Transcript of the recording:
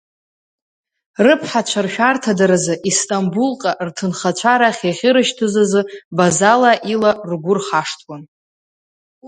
Рыԥҳацәа ршәарҭадаразы Истамбулҟа рҭынхацәа рахь иахьырышьҭыз азы Базала ила ргәы рхашҭуан.